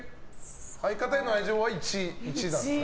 相方への愛情は１なんですね。